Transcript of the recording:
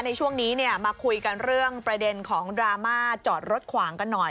ในช่วงนี้มาคุยกันเรื่องประเด็นของดราม่าจอดรถขวางกันหน่อย